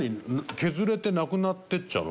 削れてなくなっていっちゃうの？